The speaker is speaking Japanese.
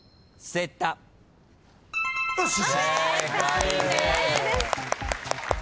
正解です。